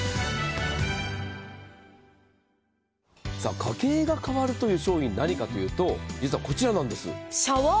家計が変わる商品何かというと実はこちらなんです。